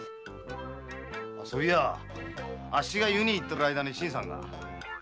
あそういやあっしが湯に行ってる間に新さんが。